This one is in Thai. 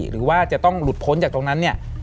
หรือว่าจะต้องหลุดพ้นจากตรงนั้นเนี่ย